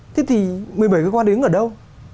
thế thì một mươi bảy cơ quan đứng ở đâu